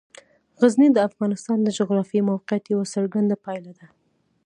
غزني د افغانستان د جغرافیایي موقیعت یوه څرګنده پایله ده.